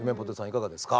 いかがですか？